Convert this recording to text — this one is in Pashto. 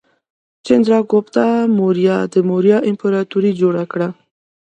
چندراګوپتا موریا د موریا امپراتورۍ جوړه کړه.